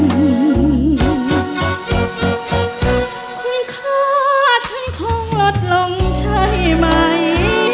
คุณค่าฉันคงลดลงใช่ไหม